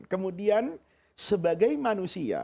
kemudian sebagai manusia